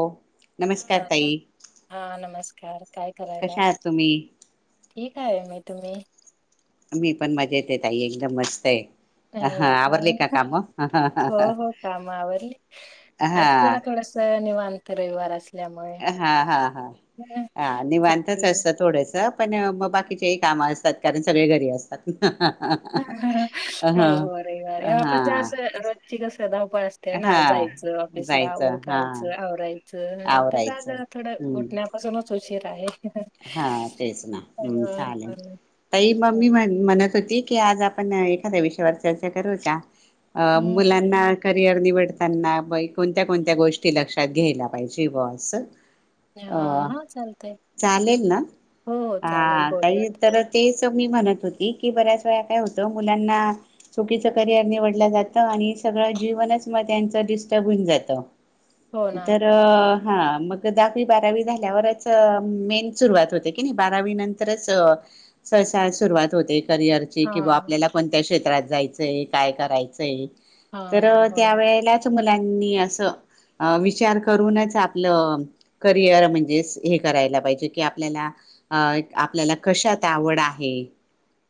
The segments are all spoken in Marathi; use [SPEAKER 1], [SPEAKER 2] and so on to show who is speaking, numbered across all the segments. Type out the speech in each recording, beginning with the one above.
[SPEAKER 1] हो नमस्कार
[SPEAKER 2] हां
[SPEAKER 1] ताई
[SPEAKER 2] हां नमस्का कार काय
[SPEAKER 1] कशा आहात
[SPEAKER 2] करायलात
[SPEAKER 1] तुम्ही
[SPEAKER 2] ठीक आहे मी तुम्ही?
[SPEAKER 1] मी पण मजेत आहे ताई एकदम मस्त आहे. हा आवरले
[SPEAKER 2] हो का
[SPEAKER 1] काम हा हा
[SPEAKER 2] हो हो काम आवरली आज जरा थोडस निवां त रविवार अस
[SPEAKER 1] हां हां हां हा हां निवांतच
[SPEAKER 2] सुट्टी
[SPEAKER 1] असतं थोडसं पण बाकीचेही कामं असतात कारण सगळे घरी असतात
[SPEAKER 2] हो
[SPEAKER 1] हा
[SPEAKER 2] हो रविवार आहे
[SPEAKER 1] हा
[SPEAKER 2] आपण जा असं रोज कस धाव पळ असते
[SPEAKER 1] हा
[SPEAKER 2] ना जायच ऑफिसला
[SPEAKER 1] जायचं हा
[SPEAKER 2] उरकायचं आवरायचं तस
[SPEAKER 1] आवरायचं
[SPEAKER 2] [unintelligible] थोडं उठल्यापासून शीरा आहे
[SPEAKER 1] हां तेच ना चालायचं तई म मी
[SPEAKER 2] हम्म
[SPEAKER 1] म्हण म्हणत होती की आज आपण एखाद्या विषयावर चर्चा करूया का? अ मुलांना क र निवडताना बाई कोणत्या कोणत्या गोष्टी लक्षात घ्यायला पाहिजे बस
[SPEAKER 2] हा हा चालतय.
[SPEAKER 1] चालेल ना काय
[SPEAKER 2] बोलूयात
[SPEAKER 1] तर ते तेच मी म्हणत होती की बऱ्याच वेळा काय होतं मुलांना चुकीचं करियर निवडलं जातं आणि सगळं जीवनच मग त्यांच डिस्टर्ब होऊन जातं.
[SPEAKER 2] हो ना
[SPEAKER 1] तर हा मग दहावी बारावी झाल्यावरच मेन सुरुवात होते की नाही बारावी नंतरच सहसा सुरुवात होते. करिअरची
[SPEAKER 2] हा
[SPEAKER 1] किंवा आपल्याला कोणत्या क्षेत्रात त जायचंय काय करायचंय
[SPEAKER 2] हां, हां.
[SPEAKER 1] तर
[SPEAKER 2] हो ना.
[SPEAKER 1] त्यावेेळेला मुलांनी अस विचार करूनच आपलं करिअर म्हणजे करायला पाहिजे की आपल्याला आपल्याला कशात आवड आहे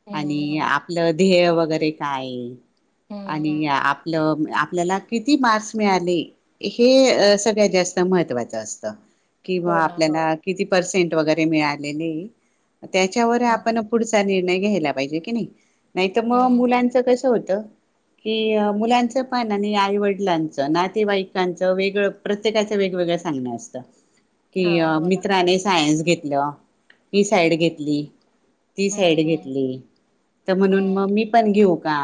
[SPEAKER 2] हं,
[SPEAKER 1] आणि
[SPEAKER 2] हं.
[SPEAKER 1] आपलं ध्येय वगैरे काय
[SPEAKER 2] हं,
[SPEAKER 1] आणि
[SPEAKER 2] हं.
[SPEAKER 1] आपलं आपल्याला किती मार्क्स मिळाले? हे
[SPEAKER 2] हां.
[SPEAKER 1] सगळ्यात जास्त महत्त्वाचं असतं. किंवा
[SPEAKER 2] हो ना, हो.
[SPEAKER 1] आपल्याला किती पर्सेंट वगैरे मिळालेले त्याच्यावर आपण
[SPEAKER 2] हं.
[SPEAKER 1] पुढचा नि- -णय घ्यायला पाहिजे कि नाही. नाही तर मग
[SPEAKER 2] हं, हं.
[SPEAKER 1] मुलांच कसं होतं कि मुलांचं पण आणि आईवडिलांचं नातेवाईकांचं वेगळं प्रत्येकाचं वेगवेगळं सांगन असतं. की
[SPEAKER 2] हां, हो ना.
[SPEAKER 1] मित सायनस घेतला ही साईड घेतली ती
[SPEAKER 2] हं,
[SPEAKER 1] साईड
[SPEAKER 2] हं.
[SPEAKER 1] घेतली तर म्हणून
[SPEAKER 2] हं.
[SPEAKER 1] मग मी पण घेऊ का?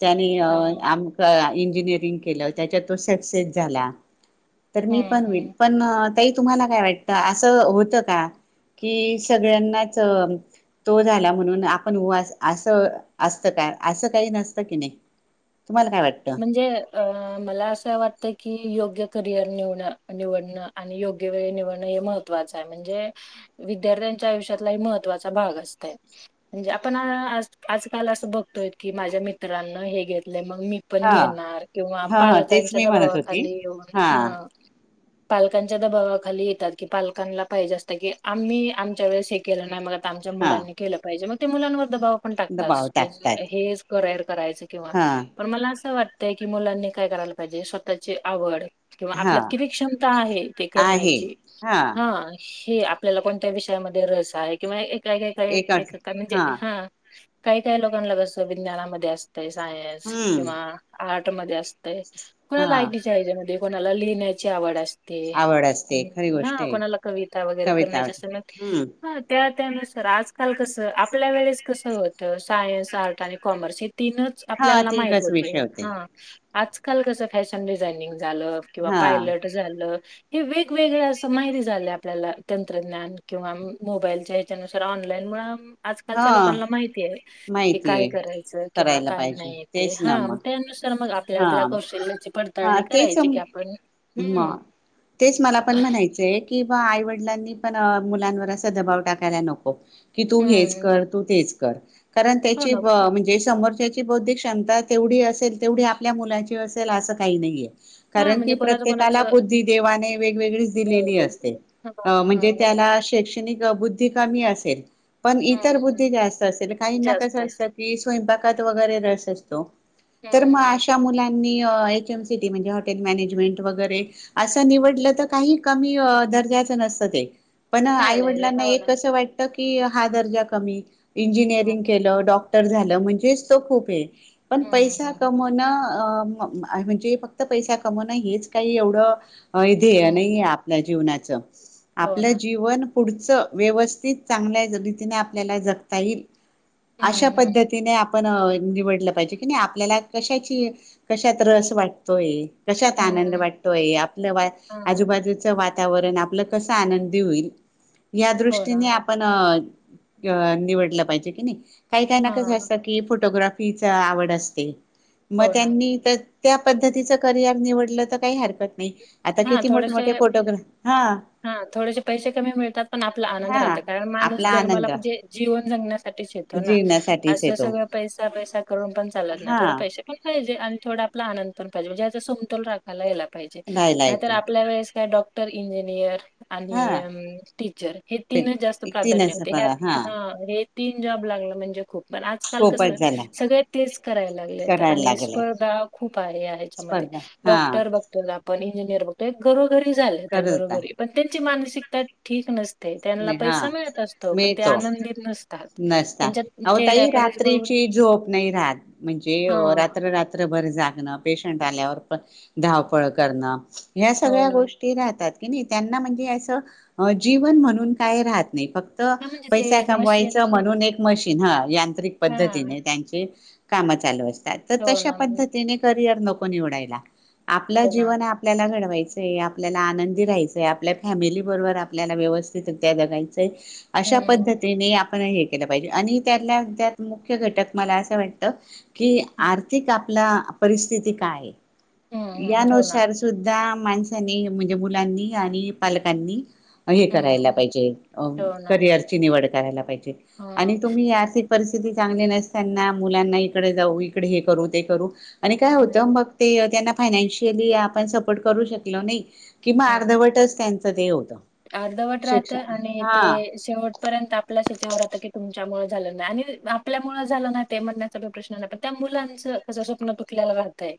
[SPEAKER 1] त्यानी
[SPEAKER 2] हां.
[SPEAKER 1] आमकं इंजिनीरिंग केला त्याच्या तो सक्सेस झाला. तर मी
[SPEAKER 2] हं,
[SPEAKER 1] पण
[SPEAKER 2] हं.
[SPEAKER 1] पण ताई तुम्हाला काय वाटतं अस होत का कि सगळ्यांनाच तो झाला म्हणून आपण असं असत का असं काही नसतं की नाही. तुम्हाला काय वाटतं?
[SPEAKER 2] म्हणजे अ मला असं वाटतं की योग्य करिअर निव निवडणं आणि योग्य वेळ निवडणं हे महत्त्वाचं आहे म्हणजे विद्यार्थ्यांच्या आयुष्यातला महत्त्वाचा भाग असतय म्हणजे आपण आजकाल असं बघतोय की माझ्या मित्रांना हे घेतले मग मी पण
[SPEAKER 1] हा
[SPEAKER 2] घेणार किंवा
[SPEAKER 1] हा हा तेच
[SPEAKER 2] पालकांच्या
[SPEAKER 1] मी म्हणत होती
[SPEAKER 2] दबावाखाली ये
[SPEAKER 1] हा
[SPEAKER 2] ह पालकांच्या दबावा ाली येतात की पालकांला पाहिजे असतं की आम्ही आमच्या वेळे शे केल नाही मग आमच्या
[SPEAKER 1] हा
[SPEAKER 2] मुलांनी केलं पाहिजे म ते मुलांवर दबाव ण टाकत
[SPEAKER 1] दबाव टाकतात
[SPEAKER 2] हे करर करायच किंवा
[SPEAKER 1] हा
[SPEAKER 2] मला असं वाटतंय की मुलांनी काय करायला पाहिजे स्वतःची आवड किंवा
[SPEAKER 1] हा
[SPEAKER 2] आपल्यात किती क्षमता आहे ते करण्याची हा हि आपल्याला कोणत्या विषयामध्ये रस आहे किंवा वे का काही एक का म्हणजे हा काही काही लोकांना बसतं विज्ञानामध्ये असत तेच आय. ए. एस.
[SPEAKER 1] हम्म
[SPEAKER 2] किंवा आर्टमध्ये असतय. कोणा
[SPEAKER 1] हा
[SPEAKER 2] लाईटही आहे हेजामधे कोणाला लिहिण्याची आवड असते.
[SPEAKER 1] आवड असते खरी
[SPEAKER 2] ते
[SPEAKER 1] गोष्ट
[SPEAKER 2] हा
[SPEAKER 1] आहे
[SPEAKER 2] कोणाला कविता वगैरे
[SPEAKER 1] कविता
[SPEAKER 2] करण्याची
[SPEAKER 1] होत
[SPEAKER 2] असे ना
[SPEAKER 1] हम्म
[SPEAKER 2] ह त्यात त्यानुसार आजकाल कस आपल्या वेळेस कस होत सायन्स, आर्ट आणि कॉमर्स तीनच
[SPEAKER 1] हा
[SPEAKER 2] आपल्याला माहित
[SPEAKER 1] तिकच
[SPEAKER 2] होते
[SPEAKER 1] विषय
[SPEAKER 2] हा. आजकाल कसं फॅशन डिझायनिंग, झाल किंवा
[SPEAKER 1] हा
[SPEAKER 2] पायलट झालं. हे वेगवेगळ असं माहिती झालं आपल्याला तंत्रज्ञान किंवा मोबाईलच्या ह्याच्यानुसार ऑनलाईन मु
[SPEAKER 1] हा
[SPEAKER 2] आजकालच्या लोकांना माहिती आहे की काय
[SPEAKER 1] माहितीय
[SPEAKER 2] करायचं किंवा
[SPEAKER 1] करायला
[SPEAKER 2] काय
[SPEAKER 1] पाहिजे
[SPEAKER 2] नाही.
[SPEAKER 1] तेच
[SPEAKER 2] हा
[SPEAKER 1] ना मग
[SPEAKER 2] त्यानुसार मग आपल्या
[SPEAKER 1] हा
[SPEAKER 2] आपल्या कौशल्याची
[SPEAKER 1] हा
[SPEAKER 2] पडताळणी
[SPEAKER 1] तेच
[SPEAKER 2] करायची की आपण हम्.
[SPEAKER 1] मग किं आईवडिलांनी पण मुलांवर असा दबाव टाकायला नको. की तू हेच
[SPEAKER 2] हम्म
[SPEAKER 1] करतो तेच कर. कारण
[SPEAKER 2] हो
[SPEAKER 1] त्याची
[SPEAKER 2] ना
[SPEAKER 1] म्हणजे समोरच्या ची बौद्धिक क्षमता तेवढी असेल तेवढी आपल्या मुलाची असेल असं काही नाहीये.
[SPEAKER 2] हा
[SPEAKER 1] कारण की
[SPEAKER 2] म्हणजे कोणाचं
[SPEAKER 1] प्रत्येकाला
[SPEAKER 2] कोणाचं
[SPEAKER 1] बुद्धी देवाने वेगवेगळीच दिलेली असते,
[SPEAKER 2] हा हा
[SPEAKER 1] म्हणजे
[SPEAKER 2] हो ना
[SPEAKER 1] त्याला शैक्षणिक बुद्धी कमी असेल, इतर
[SPEAKER 2] हम्म
[SPEAKER 1] बुद्धी जास्त अस काही ना कसं असं कि स्वंकपाक कत वगैरे रस असतो. तर
[SPEAKER 2] हम्म
[SPEAKER 1] मग
[SPEAKER 2] हम्म
[SPEAKER 1] अशा मुलांनी एच. एम. सीटी. म्हणजे हॉटेल मॅनेजमेंट वगैरे असं निवडलं तर काही कमी दर्जाच नसतं ते. पण
[SPEAKER 2] नाही नाही
[SPEAKER 1] आईवडिलांना
[SPEAKER 2] हो ना
[SPEAKER 1] एक असं वाटतं की हा दर्जा कमी.
[SPEAKER 2] हम्म
[SPEAKER 1] इंजिनिअरिंग केलं, डॉक्टर तर झालं म्हणजेच तो खूप आहे. पण
[SPEAKER 2] हम्म
[SPEAKER 1] पैसा
[SPEAKER 2] हम्म
[SPEAKER 1] कमवण अ म्हणजे फक्त पैसा कमवण हेच काही एवढं ह इथे
[SPEAKER 2] हम्म
[SPEAKER 1] नाईये आपल्या जीवनाचं,
[SPEAKER 2] हो
[SPEAKER 1] आपलं
[SPEAKER 2] ना
[SPEAKER 1] जीवन पुढचं व्यवस्थित चांगल्या रीतीने आप आपल्याला जगता येईल अशा
[SPEAKER 2] हम्म हम्म
[SPEAKER 1] पद्धतीने आपण निवडलं पाहिजे की नाही आपल्याला कशाची कशात रस वाटतोय. कशात आनंद
[SPEAKER 2] हम्म
[SPEAKER 1] वाटतोय, आपलं वा
[SPEAKER 2] हम्म
[SPEAKER 1] आजूबाजूच वातावरण आपलं कस आनंद होईल. या
[SPEAKER 2] हो
[SPEAKER 1] दृष्टीने
[SPEAKER 2] ना
[SPEAKER 1] आपण अ निवडलं पाहिजे की नाही? काही काही ना
[SPEAKER 2] हा
[SPEAKER 1] कसं असतं की फोटोग्राफी पिचा आवड असते. मग
[SPEAKER 2] हो ना
[SPEAKER 1] त्यांनी तर त्या पद्धतीचं करिअर निवडलं तर काही हर
[SPEAKER 2] हा थोडेसे
[SPEAKER 1] हा
[SPEAKER 2] हा थोडेसे पैसे कमी मिळतात पण आपला आनंद
[SPEAKER 1] हा
[SPEAKER 2] राहत कारण माणूस
[SPEAKER 1] आपला
[SPEAKER 2] जन्माला
[SPEAKER 1] आनंद
[SPEAKER 2] म्हणजे जीवन जगण्यासाठीच येतो ना
[SPEAKER 1] जीवनासाठीच
[SPEAKER 2] अस
[SPEAKER 1] येतो
[SPEAKER 2] सगळ पैसा पैसा करून पण चालत ना
[SPEAKER 1] हा
[SPEAKER 2] थोडे पैसे पण पाहिजे आणि थोडा आपला आनंद पण पाहिजे असा समोल राखाला याला पाहिजे.
[SPEAKER 1] राहायला
[SPEAKER 2] नाहीतर
[SPEAKER 1] येतो
[SPEAKER 2] आपल्या वेळेस काय डॉक् क्टर इंजनियर
[SPEAKER 1] हा
[SPEAKER 2] आणि टीचर हे तीनच जास्त प्राधान्य होते ह हा हे तीन जॉब लागलं, म्हणजे खूप पण आजकाल कस
[SPEAKER 1] पोपट झाला
[SPEAKER 2] सगळे तेच करायला लागले
[SPEAKER 1] करायला
[SPEAKER 2] आणि
[SPEAKER 1] लागले
[SPEAKER 2] स्पर्धा खूप आहे. ह्याच्यामध्ये
[SPEAKER 1] स्पर्धा हा
[SPEAKER 2] डॉक्टर बघतो! पण इंजीनियर होतोय घरोघरी झालं आता
[SPEAKER 1] करत
[SPEAKER 2] घरोघरी पण ते ची मानसिकता ठीक नस
[SPEAKER 1] नाही हा मिळतो
[SPEAKER 2] आनंदित नसतात.
[SPEAKER 1] नसता
[SPEAKER 2] त्यांच्या
[SPEAKER 1] आहों ताई
[SPEAKER 2] चेहऱ्याकडेच बघून
[SPEAKER 1] रात्रीची झोप नाही राहात म्हणजे
[SPEAKER 2] हां,
[SPEAKER 1] रात्ररात्रभर जाग ग पेशंट आल्यावर पण धावपळ करणं या
[SPEAKER 2] हो
[SPEAKER 1] सगळ्या
[SPEAKER 2] ना.
[SPEAKER 1] गोष्टी राहतात. नाही त्यांना म्हणजे आस अ जीवन म्हणून पण काय राहत नाही फ क्त
[SPEAKER 2] हां, म्हणजे ते
[SPEAKER 1] पैसा
[SPEAKER 2] एक मशीन
[SPEAKER 1] कमवायचं म्हणून एक मशीन हा यांना तांत्रिक
[SPEAKER 2] हां,
[SPEAKER 1] पद्धतीने त्यांचे काम चालू अस ता तर
[SPEAKER 2] हो
[SPEAKER 1] तशा
[SPEAKER 2] ना,
[SPEAKER 1] पद्धतीने करत [inaudible] नको निवडायला. आपलं
[SPEAKER 2] हो ना.
[SPEAKER 1] जीवन आहे आपल्याला घडवाय चय आपल्याला आनंदी राहायचंय आपल्या फॅमिली बरोबर आपल्याला व्यवस् तिथं [inaudible] तर अशा
[SPEAKER 2] हं.
[SPEAKER 1] पद्धतीने आ पण हे केलं पाहिजे आणि त्यातल्या त्यात मुक् हे घटक मला असं वाटतं की
[SPEAKER 2] हं,
[SPEAKER 1] आर्थिक आ आपला परिस्थिती कायए
[SPEAKER 2] हं,
[SPEAKER 1] या
[SPEAKER 2] हं. हो ना.
[SPEAKER 1] नुसार सुद्धा माणसांनी म्हणजे मुलांनी आणि पालकांनी अ हे करायला
[SPEAKER 2] हं,
[SPEAKER 1] पाहिजे अ
[SPEAKER 2] हो ना.
[SPEAKER 1] करियरची निवड करायला पाय् आणि
[SPEAKER 2] हं,
[SPEAKER 1] तुम्ही या [inaudible] ते चांगले नसताना मुलांना इकडे जाऊ इकडे हे करू ते करू आणि काय
[SPEAKER 2] हं,
[SPEAKER 1] होतं मग ते त्यांना फायनान्शीअली आपण सपोर्ट करू शकलो नाही. की म
[SPEAKER 2] हं.
[SPEAKER 1] अर्धवटंच त्यांच त ते होतं
[SPEAKER 2] अर्धवट राहत
[SPEAKER 1] शिक्षण
[SPEAKER 2] आणि ते
[SPEAKER 1] हा
[SPEAKER 2] शेवटपर्यंत आपल्याच याच्यावर राहतं की तुमच्यामुळे झालं नाही आणि आपल्यामुळं झालं नाही ते म्हणण्याचा जो प्रश्न नाही पण त्या मुलांचं कसं स्वप्न तुटल्यालं राहतंय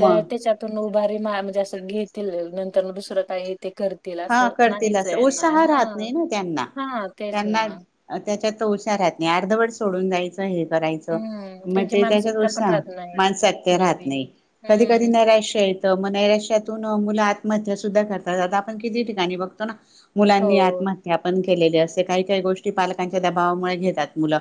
[SPEAKER 2] तर त्याच्यातून बारी मा म्हणजे असं घेतील नंतरन दुसरं कायए ते करतील असं
[SPEAKER 1] तील
[SPEAKER 2] नाहीच
[SPEAKER 1] असं
[SPEAKER 2] आहे नाही
[SPEAKER 1] उत्साह राहत
[SPEAKER 2] हां.
[SPEAKER 1] नाही ना त्यांना,
[SPEAKER 2] हां, तेच ना.
[SPEAKER 1] त्यांना अ त्याच्या तर हुशार [inaudible] नाही अर्धवट सोडून जायचं हे करायचं
[SPEAKER 2] हं,
[SPEAKER 1] मग
[SPEAKER 2] त्यांची
[SPEAKER 1] ते त्याच्याजवळ
[SPEAKER 2] मानसिकता पण
[SPEAKER 1] सा
[SPEAKER 2] राहत नाही
[SPEAKER 1] माणसात त्या राहत
[SPEAKER 2] नवीन.
[SPEAKER 1] नाही कधी कधी
[SPEAKER 2] हं.
[SPEAKER 1] नैराश्य येतं मग नैराश्यातून मुलं आत्महत्या सुद्धा करतात आता पण किती ठिकाणी बघतो ना मुलांनी
[SPEAKER 2] हो.
[SPEAKER 1] आत्महत्या पण क केलेले असे काही काही गोष्टी पालकांच्या दबावामुळे घेतात मुलं.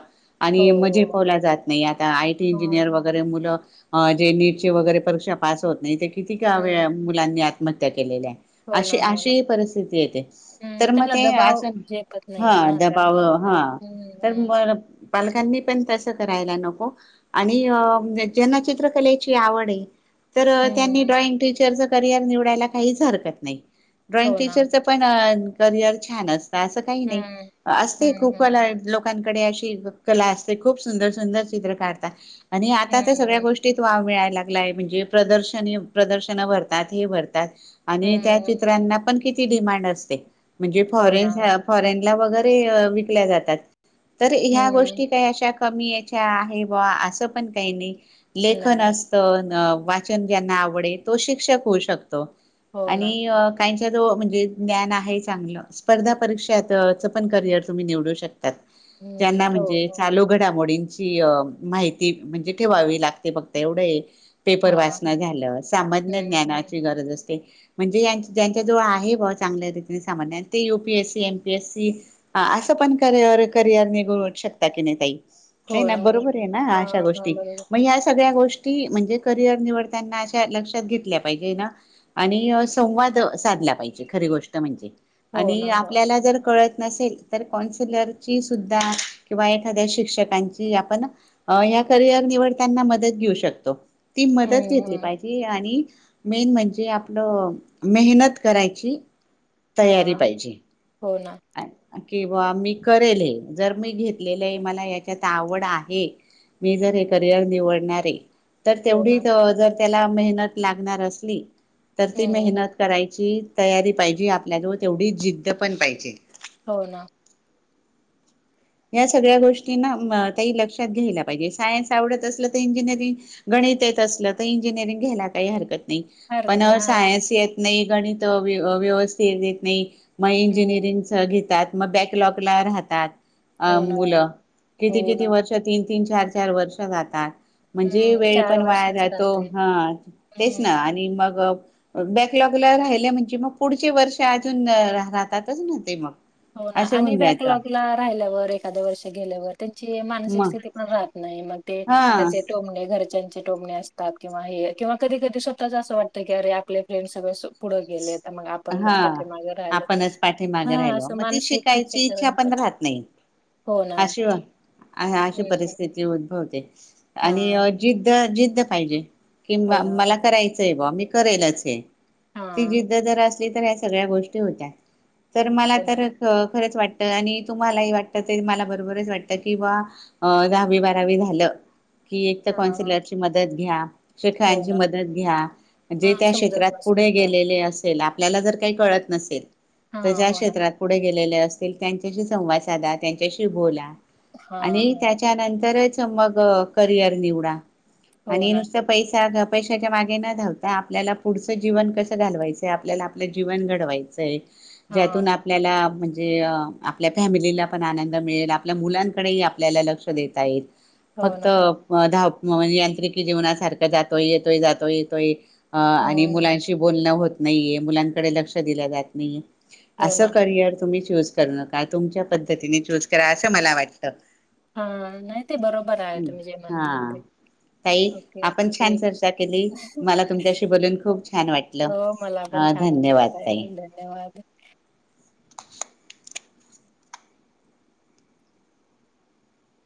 [SPEAKER 2] हो,
[SPEAKER 1] आणि मजे
[SPEAKER 2] हो.
[SPEAKER 1] पावलं जात नाही आता आयटी
[SPEAKER 2] हं,
[SPEAKER 1] इंजिनियर वगैरे मुलं अ जे नीटची वगैरे परीक्षा पास होत नाहीत ते किती काव
[SPEAKER 2] हं.
[SPEAKER 1] मुलांनी आ मत्या केलेल्या आहे
[SPEAKER 2] हो
[SPEAKER 1] अशी
[SPEAKER 2] ना हो ना.
[SPEAKER 1] अशी परिस्थिती येते
[SPEAKER 2] हं,
[SPEAKER 1] तर
[SPEAKER 2] त्यांना
[SPEAKER 1] मग
[SPEAKER 2] दबाव
[SPEAKER 1] अस ते
[SPEAKER 2] झेपत
[SPEAKER 1] दबाव
[SPEAKER 2] नाहीये
[SPEAKER 1] हा
[SPEAKER 2] ना
[SPEAKER 1] दबाव
[SPEAKER 2] त्यामुळं होतंय.
[SPEAKER 1] हा
[SPEAKER 2] हं,
[SPEAKER 1] तर
[SPEAKER 2] हं.
[SPEAKER 1] म पालकांनी पण तसं करायला नको आणि ज्यांना चित्रकलेची आवड आहे. तर त्यांनी
[SPEAKER 2] हं,
[SPEAKER 1] ड्रॉइंग टीचरच करिअर निवडायला काहीच हरकत नाही. ड्रॉइंग
[SPEAKER 2] हो ना.
[SPEAKER 1] टीचरच पण करिअर छान असत असं काही नाही
[SPEAKER 2] हं. हं,
[SPEAKER 1] असते खूप
[SPEAKER 2] हं.
[SPEAKER 1] मला लोक लोकांकडे अशी कला असते खूप सुंदर सुंदर चित्र काढतात. आणि आता
[SPEAKER 2] हं,
[SPEAKER 1] त्या सगळ्या
[SPEAKER 2] हं.
[SPEAKER 1] गोष्टीत वाव मिळाला. लागलाय म्हणजे प्रदर्शन हे प्रदर्शन भरतात हे भ रतात आणि त्या
[SPEAKER 2] हं.
[SPEAKER 1] तिथ त्यांना पण किती डिमांड असते म्हणजे
[SPEAKER 2] हो
[SPEAKER 1] फॉरेन
[SPEAKER 2] ना.
[SPEAKER 1] फॉरेनला वगैरे ते विकल्या जातात. तर ह्या
[SPEAKER 2] हं.
[SPEAKER 1] गोष्टी काही अशा कमी याच्या आहे बुवा असं पण काही नाही. लेखन
[SPEAKER 2] नाही.
[SPEAKER 1] असत अन वाचन ज्यांना आवडेल तो शिक्षक होऊ शकतो.
[SPEAKER 2] हो ना.
[SPEAKER 1] आणि काहीच्या तो म्हणजे ज्ञान आहे चांगलं स्पर्धा परीक्षाचं पण करिअर तुम्ही निवडू शकता. त
[SPEAKER 2] हं.
[SPEAKER 1] ज्यांना
[SPEAKER 2] हो,
[SPEAKER 1] म्हणजे
[SPEAKER 2] हो.
[SPEAKER 1] चालू घडामोडीच ची अ माहिती म्हणजे ठेवावी लागते फक्त एवढ ये पेपर
[SPEAKER 2] हां.
[SPEAKER 1] वाचन झालं, सामान्य
[SPEAKER 2] हं, हं.
[SPEAKER 1] ज्ञानाची गरज अस म्हणजे यांच ज्यांच्या जवळ आहे बुवा चांगल्या रीतीने सामान्य ते युपीएस सी एमपीएस सी असं पण कर करिअर निघून शकता की नाही का नई ताई हाय
[SPEAKER 2] हो
[SPEAKER 1] ना
[SPEAKER 2] हो
[SPEAKER 1] बरोबर आहे ना अशा
[SPEAKER 2] हां,
[SPEAKER 1] गोष्टी
[SPEAKER 2] हां. बरोबर.
[SPEAKER 1] मग या सगळ्या गोष् ष्टी म्हणजे करियर निवडताना अशा लक्षात घेतल्या पाहिजे ना आणि संवाद साधल्या पाहिजे खरी गोष्ट म्हणजे.
[SPEAKER 2] हो
[SPEAKER 1] आणि
[SPEAKER 2] ना, हो.
[SPEAKER 1] आपल्याला जर कळत नसेल तर कन्सलरची सुद्धा किंवा एखाद्या शिक्षकांची आपण ह करिअर निवडताना मदत घेऊ शकतो. ती
[SPEAKER 2] हं,
[SPEAKER 1] मदत घेतली
[SPEAKER 2] हं.
[SPEAKER 1] पाहिजे आणि मेन म्हणजे आपलं मेहनत करायची. तयारी
[SPEAKER 2] हां.
[SPEAKER 1] पाहिजे
[SPEAKER 2] हो ना,
[SPEAKER 1] किंवा मी करेल आहे जर मी घेतलेलं आहे मला याच्यात आवड आहे मी जर हे करिअर निवडणार ते तर
[SPEAKER 2] हो ना.
[SPEAKER 1] तेवढीच जर त्याला मेहनत लागणार असली तर ती
[SPEAKER 2] हं, हं.
[SPEAKER 1] मेहनत करायची तयारी पाहिजे आपल्याजवळ तेवढीच जिद्द पण पाहिजे
[SPEAKER 2] हो ना
[SPEAKER 1] या सगळ्या गोष्टीना लक्षात घ्यायला पाहिजे सायन्स आवडत असलं तर इंजिनिअरिंग गणित येत असलं तर इंजिनिअरिंग घ्यायला काही हरकत नाही नाही
[SPEAKER 2] हरकत
[SPEAKER 1] पण
[SPEAKER 2] नाही. हां.
[SPEAKER 1] सायन्स य नाही गणित व्यवस्थित य येत नाही मग
[SPEAKER 2] हं.
[SPEAKER 1] इंजिनिअरिंग सह घितात मग बॅकलॉग ला राहतात अ
[SPEAKER 2] हो ना, हो
[SPEAKER 1] मुलं
[SPEAKER 2] ना.
[SPEAKER 1] किती
[SPEAKER 2] हो
[SPEAKER 1] किती
[SPEAKER 2] ना.
[SPEAKER 1] वर्ष तीन तीन चार चार वर्ष जातात का म्हणजे
[SPEAKER 2] हं.
[SPEAKER 1] वेळ पण वाया
[SPEAKER 2] वर्षाचं
[SPEAKER 1] राहतो
[SPEAKER 2] राहतंय.
[SPEAKER 1] हा तेच
[SPEAKER 2] हं.
[SPEAKER 1] ना आणि मग बॅकलॉगला राहिल्या म्हणजे मग पुढचे वर्ष अजून राहतातच ना ते मग
[SPEAKER 2] हो ना
[SPEAKER 1] असे
[SPEAKER 2] आणि
[SPEAKER 1] होऊन जायचं
[SPEAKER 2] बॅकलॉग ला राहिल्यावर एक साध वर्ष गेल्यावर त्यांची मानसिक
[SPEAKER 1] मग
[SPEAKER 2] स्थिती पण राहत नाही मग ते
[SPEAKER 1] हा
[SPEAKER 2] हेजे टोमने घरच्यांचे टोमणे असतात किंवा हे किंवा कधी कधी स्वतःच असं वाटतं की अरे आपले अपले स - पुढं गेले तर मग आपण
[SPEAKER 1] हा
[SPEAKER 2] च पाटीमागे राहिलोयत
[SPEAKER 1] आपणच पाठीमागे
[SPEAKER 2] ह
[SPEAKER 1] राहिलो मग ती शिकायची इच्छा पण राहत नाही
[SPEAKER 2] हो ना.
[SPEAKER 1] अशीव हाअशी
[SPEAKER 2] हम्म.
[SPEAKER 1] परिस्थिती - बहुतेक आणि
[SPEAKER 2] हां.
[SPEAKER 1] अ जिद्द जिद् - द पाहिजे
[SPEAKER 2] हो
[SPEAKER 1] किंवा
[SPEAKER 2] ना.
[SPEAKER 1] मला करायचं आहे ब वा मी - करेलच हे ती
[SPEAKER 2] हां.
[SPEAKER 1] जिद्द जर अस ती तर या सगळ्या गोष्टी होत्या तर मला
[SPEAKER 2] हो ना.
[SPEAKER 1] तर क खरंच वाटत आणि तुम्हालाही वाटत, ते मला बरोबरच वाटत किंवा अ दहावी बारावी झालं. कि एक तर
[SPEAKER 2] हां, हां.
[SPEAKER 1] कौन्सिलर ची मदत घ्या. [unintelligible]
[SPEAKER 2] हो ना.
[SPEAKER 1] मदत घ्याजे
[SPEAKER 2] हां,
[SPEAKER 1] त्या
[SPEAKER 2] समजत
[SPEAKER 1] क्षेत्रात
[SPEAKER 2] नसेल
[SPEAKER 1] पुढे
[SPEAKER 2] तर.
[SPEAKER 1] गेलेले असेल आप आपल्याला जर काही कळत नसेल. ते
[SPEAKER 2] हां,
[SPEAKER 1] ज्या
[SPEAKER 2] हो ना.
[SPEAKER 1] क्षेत्रात पुढे गे शिकलेले असतील त्यांच्याशी संवाद साधा, त्यांच्याशी बोला.
[SPEAKER 2] हां,
[SPEAKER 1] आणि
[SPEAKER 2] हां.
[SPEAKER 1] त्याच्यानंतरच त मग करिअर निवडा.
[SPEAKER 2] हो
[SPEAKER 1] आणि
[SPEAKER 2] ना.
[SPEAKER 1] नुसत पैसा घ पैशाच्या मागे न धावता, आपल्याला पुढचं जीवन कस त घालवायचंय, आपल्याला आपलं जीवन घडवायचंय.
[SPEAKER 2] हां,
[SPEAKER 1] ज्यातून
[SPEAKER 2] हां.
[SPEAKER 1] आपल्याला म्हंजे जे अ आपल्या फॅमिलीला पण आनंद मिळेल, आपल्या मुलांकडही आपल्याला लक्ष देता येईल.
[SPEAKER 2] हो
[SPEAKER 1] फक्त
[SPEAKER 2] ना.
[SPEAKER 1] अ प धाव म यांत्रिकी जीवनासारखं जातोय येतोय, जातोय येतोय. अ आणि
[SPEAKER 2] हम्म.
[SPEAKER 1] मुलांशी [unintelligible] होत नाहीेये, मुलांकडे लक्ष दिलं जात नई.
[SPEAKER 2] हो ना.
[SPEAKER 1] असं करियर तुम्ही चू चूज करू नका, तुमच्या पद्धतीने चूज करा असं मला वाटत.
[SPEAKER 2] हा नाही ते बरोबराय, तुम्ही जे म्हणता
[SPEAKER 1] हा
[SPEAKER 2] ते,
[SPEAKER 1] ताई
[SPEAKER 2] ओके
[SPEAKER 1] आपण छान
[SPEAKER 2] ठीक,
[SPEAKER 1] चर्चा केली मला तुमच्याशी बोलून
[SPEAKER 2] हम्म
[SPEAKER 1] खूप छान वाटलं.
[SPEAKER 2] हो मला पण
[SPEAKER 1] अ
[SPEAKER 2] छान वाटलं
[SPEAKER 1] धन्यवाद
[SPEAKER 2] ताई, धन्यवाद